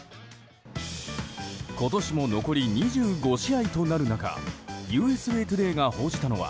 今年も残り２５試合となる中ＵＳＡトゥデイが報じたのは